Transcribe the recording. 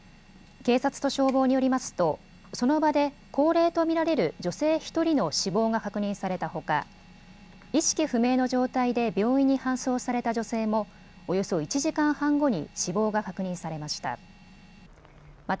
警察と消防によりますとその場で高齢と見られる女性１人の死亡が確認されたほか意識不明の状態で病院に搬送された女性もおよそ１時間半後に死亡が確認されました。